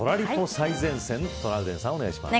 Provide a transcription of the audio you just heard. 最前線トラウデンさん、お願いします。